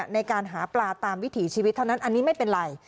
ในการหาปลาตามวิถีชีวิตเท่านั้นอันนี้ไม่เป็นไร